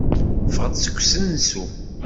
Ffɣeɣ-d seg usensu.